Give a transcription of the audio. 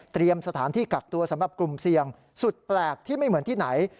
สถานที่กักตัวสำหรับกลุ่มเสี่ยงสุดแปลกที่ไม่เหมือนที่ไหน